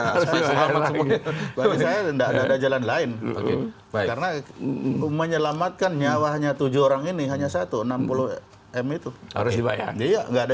karena menyelamatkan nyawanya tujuh orang ini hanya satu ratus enam puluh enam m itu harus dibayar dia enggak ada